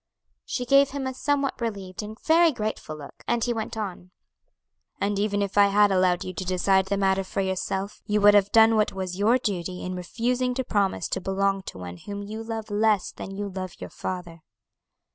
She gave him a somewhat relieved and very grateful look, and he went on: "And even if I had allowed you to decide the matter for yourself, you would have done what was your duty in refusing to promise to belong to one whom you love less than you love your father."